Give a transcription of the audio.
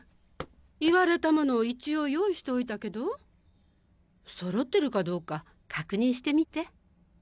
言われたもの一応用意しておいたけど揃ってるかどうか確認してみて。